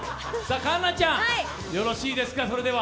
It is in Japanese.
環奈ちゃん、よろしいですか。